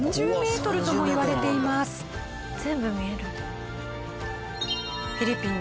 全部見える。